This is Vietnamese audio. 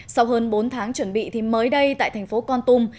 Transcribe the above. sau hơn bốn tháng chuẩn bị thì mới đây tại thành phố con tum